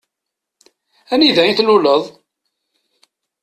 Anida i tluleḍ?